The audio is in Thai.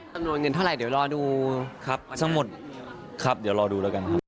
สำนวนเงินเท่าไรเดี๋ยวรอดู